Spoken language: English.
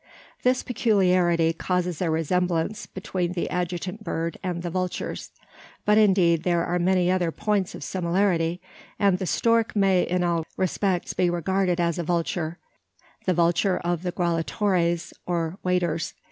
This peculiarity causes a resemblance between the adjutant bird and the vultures; but indeed there are many other points of similarity; and the stork may in all respects be regarded as a vulture the vulture of the grallatores, or waders.